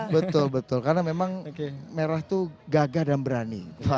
betul betul karena memang merah itu gagah dan berani